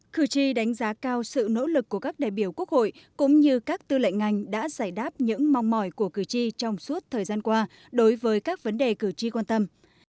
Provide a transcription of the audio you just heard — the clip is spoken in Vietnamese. cử tri đánh giá cao sự nỗ lực của các đại biểu quốc hội cũng như các tư lệnh ngành đã giải đáp những mong mỏi của cử tri trong suốt thời gian qua đối với các vấn đề cử tri quan tâm